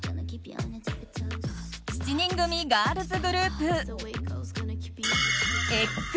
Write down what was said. ７人組ガールズグループＸＧ。